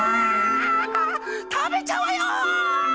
たべちゃうわよ！